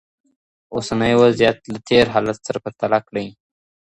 اوسنی وضعیت له تېر حالت سره پرتله کړئ.